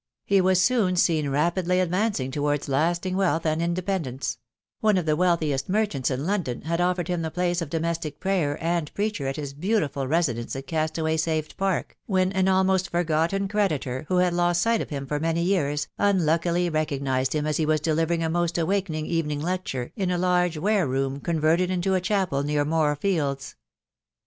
He was soon seen rapidly advancing towards lasting wealth and independence : one of the wealthiest merchants in London had offered him the place of domestic prayer and preacher at his beautiful residence at Castaway Saved Park, when an almost forgotten creditor, who had lost sight of him for many years, unluckily recognised him as he was delivering a most awakening evening lecture in a large wareroom con verted into a chapel near Moor Fields.